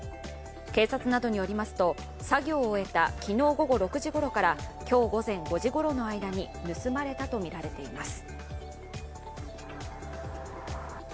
警察などによりますと作業を終えた昨日午後６時ごろから今日午前５時ごろの間に盗まれたとみられています。